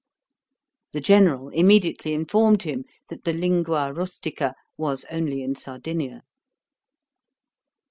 The General immediately informed him that the lingua rustica was only in Sardinia.